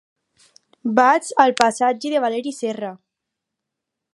Vaig al passatge de Valeri Serra.